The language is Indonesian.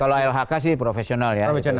kalau lhk sih profesional ya